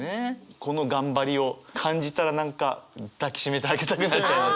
この頑張りを感じたら何か抱き締めてあげたくなっちゃいますね。